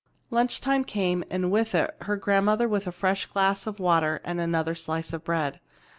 Lunch time came, and with it her grandmother with a fresh glass of water and another slice of bread.